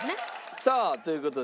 さあという事で。